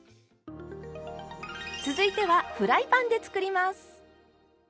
続いてはフライパンで作ります。